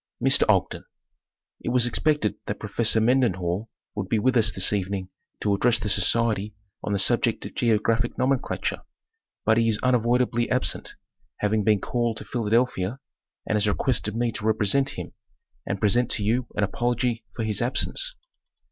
Mr. Oapren: It was expected that Professor Mendenhall would be with us this evening to address the society on the sub ject of Geographic Nomenclature but he is unavoidably absent, having been called to Philadelphia, and has requested me to represent him, and present to you an apology for his absence.